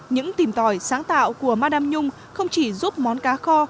những tìm tòi sáng tạo của madam nhung không chỉ giúp món cá kho